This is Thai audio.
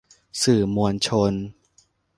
สื่อมวลชน